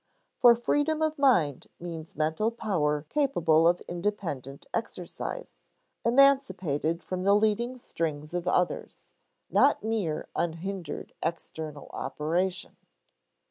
For freedom of mind means mental power capable of independent exercise, emancipated from the leading strings of others, not mere unhindered external operation.